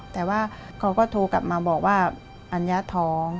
แต่ว่าเขาก็โทรกลับมาบอกว่าอัญญาท้อง